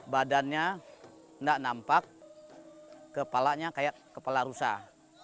badannya tidak nampak kepalanya kayak kepala rusak